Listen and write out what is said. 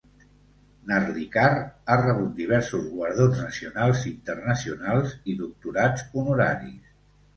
Narlikar ha rebut diversos guardons nacionals i internacionals i doctorats honoraris.